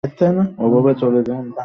ওভাবে চলে যেও না।